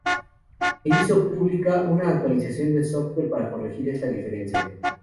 Se hizo pública una actualización de software para corregir esta deficiencia.